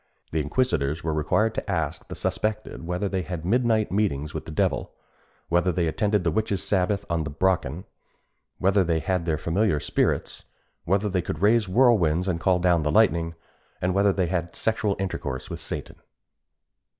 The inquisitors were required to ask the suspected whether they had midnight meetings with the devil? whether they attended the witches' sabbath on the Brocken? whether they had their familiar spirits? whether they could raise whirlwinds and call down the lightning? and whether they had had sexual intercourse with Satan?